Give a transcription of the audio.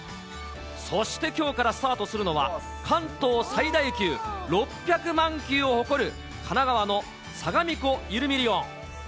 そして、きょうからスタートするのは、関東最大級、６００万球を誇る神奈川のさがみ湖イルミリオン。